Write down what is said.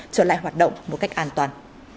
trở lại hoạt động một cách an toàn